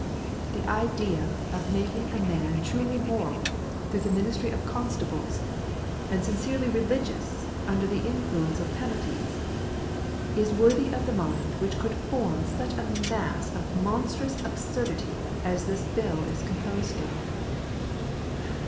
The idea of making a man truly moral through the ministry of constables, and sincerely religious under the influence of penalties, is worthy of the mind which could form such a mass of monstrous absurdity as this bill is composed of.